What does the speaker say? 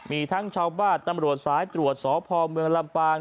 มีทั้งชาวบ้านตำรวจสายตรวจสพเมืองลำปาง